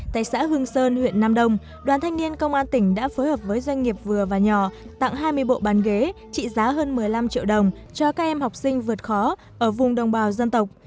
tại xã hương sơn huyện nam đông đoàn thanh niên công an tỉnh đã phối hợp với doanh nghiệp vừa và nhỏ tặng hai mươi bộ bàn ghế trị giá hơn một mươi năm triệu đồng cho các em học sinh vượt khó ở vùng đồng bào dân tộc